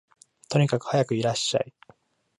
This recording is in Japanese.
とにかくはやくいらっしゃい